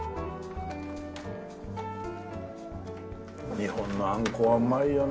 日本の餡子はうまいよね